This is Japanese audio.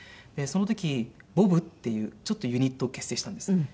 その時ＢＯＢっていうちょっとユニットを結成したんです。